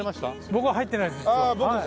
僕は入ってないです実は。